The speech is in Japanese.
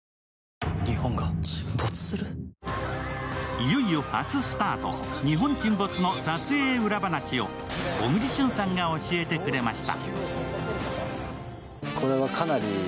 いよいよ明日スタート「日本沈没」の撮影裏話を小栗旬さんが教えてくれました。